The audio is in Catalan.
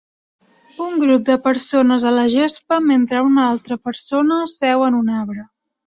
Un grup de persones a la gespa mentre una altra persona seu en un arbre.